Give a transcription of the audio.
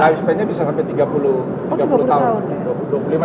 lifespan nya bisa sampai tiga puluh tahun